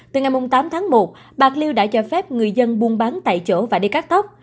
từ ngày tám tháng một bạc liêu đã cho phép người dân buôn bán tại chỗ và đi cắt tóc